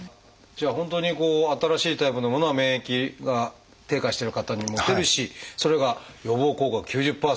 じゃあ本当に新しいタイプのものは免疫が低下してる方にも打てるしそれが予防効果９０％。